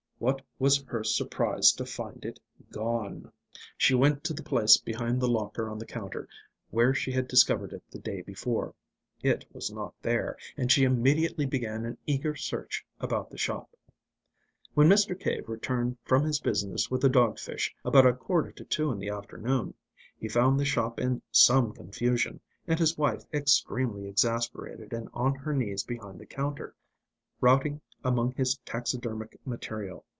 What was her surprise to find it gone! She went to the place behind the locker on the counter, where she had discovered it the day before. It was not there; and she immediately began an eager search about the shop. When Mr. Cave returned from his business with the dog fish, about a quarter to two in the afternoon, he found the shop in some confusion, and his wife, extremely exasperated and on her knees behind the counter, routing among his taxidermic material.